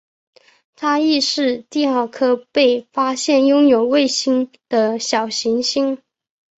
它亦是第二颗被发现拥有卫星的小行星。